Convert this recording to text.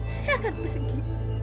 saya akan pergi